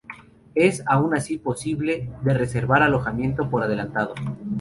Es, aun así, posible de reservar alojamiento por adelantado.